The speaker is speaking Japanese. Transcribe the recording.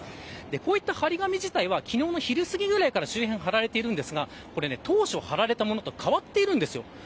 こういった張り紙自体は昨日の昼すぎぐらいから周辺で張られていますが当初張られたものと変わっているんです。